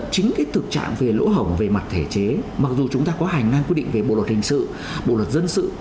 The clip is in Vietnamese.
chính cái thực trạng về lỗ hổng về mặt thể chế mặc dù chúng ta có hành năng quy định về bộ luật hình sự bộ luật dân sự